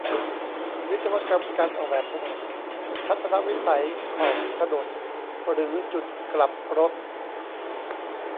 วิศวกรรมการออกแบบถนน ทัศนวิสัยของถนน หรือจุดกลับรถ